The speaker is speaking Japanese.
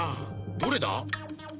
どれだ？